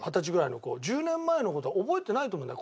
１０年前の事は覚えてないと思うんだよ